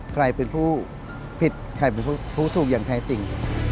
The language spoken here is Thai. ใครเป็นผู้ผิดใครเป็นผู้ถูกอย่างแท้จริง